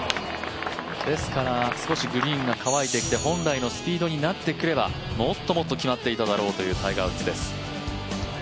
少しグリーンが乾いてきて本来のスピードになってくればもっともっと決まっていただろうというタイガー・ウッズです。